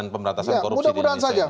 pemberantasan korupsi di indonesia